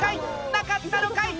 無かったのかい？